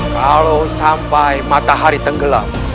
kalau sampai matahari tenggelam